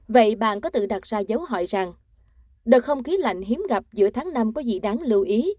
vậy bạn có tự đặt ra dấu hỏi rằng đợt không khí lạnh hiếm gặp giữa tháng năm có gì đáng lưu ý